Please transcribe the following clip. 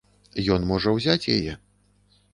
Ён можа ўзяць яе.